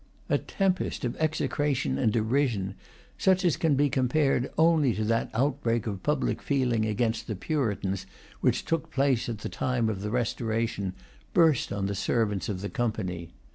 A tempest of execration and derision, such as can be compared only to that outbreak of public feeling against the Puritans which took place at the time of the Restoration, burst on the servants of the Company.